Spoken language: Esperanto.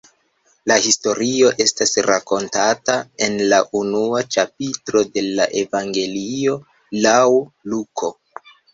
Lia historio estas rakontata en la unua ĉapitro de la Evangelio laŭ Luko.